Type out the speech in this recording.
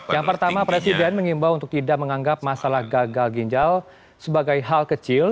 yang pertama presiden mengimbau untuk tidak menganggap masalah gagal ginjal sebagai hal kecil